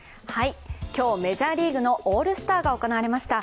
今日、メジャーリーグのオールスターが行われました。